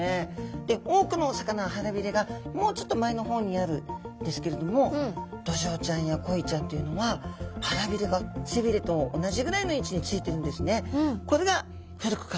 で多くのお魚は腹びれがもうちょっと前の方にあるんですけれどもドジョウちゃんやコイちゃんというのは腹びれが背びれと同じぐらいの位置についてるんですね。